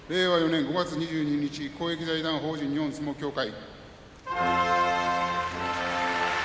４年５月２２日公益財団法人日本相撲協会